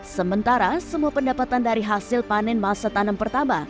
sementara semua pendapatan dari hasil panen masa tanam pertama